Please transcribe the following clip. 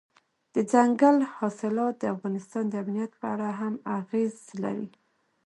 دځنګل حاصلات د افغانستان د امنیت په اړه هم اغېز لري.